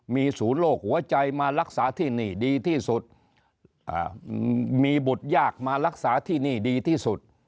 มีศูนย์โรคหัวใจมารักษาที่นี่ดีที่สุดมีบุตรยากมารักษาที่นี่ดีที่สุด